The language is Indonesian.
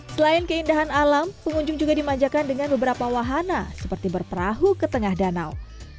selain keindahan alam pengunjung juga dimanjakan dengan beberapa wahana seperti berperahu ke tengah danau